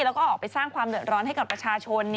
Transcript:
แล้วก็ออกไปสร้างความเดือดร้อนให้กับประชาชน